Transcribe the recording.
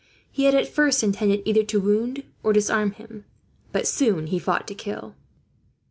He had at first intended either to wound or disarm him, but he soon fought to kill.